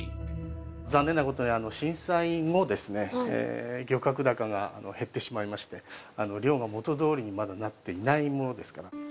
残念なことに、震災後、漁獲高が減ってしまいまして、漁が元どおりにまだなっていないものですから。